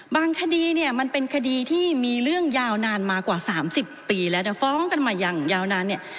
คดีเนี่ยมันเป็นคดีที่มีเรื่องยาวนานมากว่า๓๐ปีแล้วแต่ฟ้องกันมาอย่างยาวนานเนี่ย